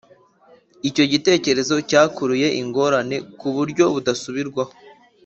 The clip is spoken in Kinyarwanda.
icyo gitekerezo cyakuruye ingorane ku buryo bidasubirwaho.